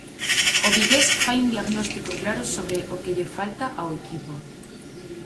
O vigués fai un diagnóstico claro sobre o que lle falta ao equipo.